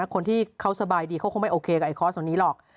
คนที่เขาสบายดีเขาก็ไม่โอเคกับไอคอร์สตรงนี้หรอก